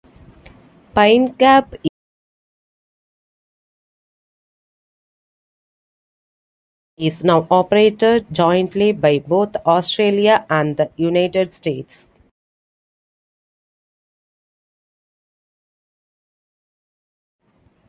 Pine Gap is now operated jointly by both Australia and the United States.